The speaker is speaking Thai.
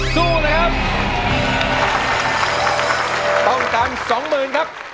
สู้ค่ะต้องการ๒๐๐๐๐บาทครับ